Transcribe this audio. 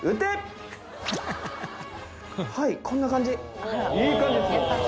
はいこんな感じ。